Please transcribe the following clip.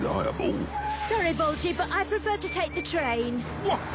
うわっ！